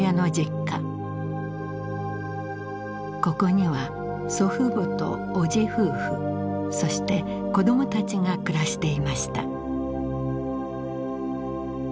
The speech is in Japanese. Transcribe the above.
ここには祖父母と叔父夫婦そして子どもたちが暮らしていました。